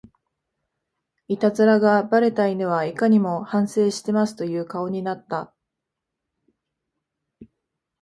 イタズラがバレた犬はいかにも反省してますという顔になった